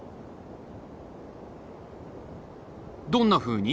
どんなふうに？